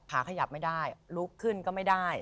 ขาขยับไม่ได้ลุกขึ้นก็ไม่ได้